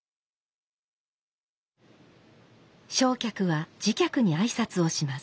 正客は次客に挨拶をします。